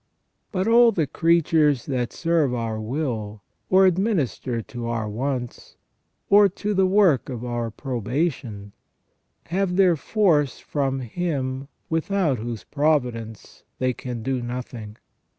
But all the creatures that serve our will, or administer to our wants, or to the work of our probation, have their force from Him without whose providence they can do nothing.